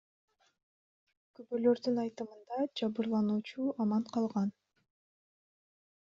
Күбөлөрдүн айтымдарында, жабырлануучу аман калган.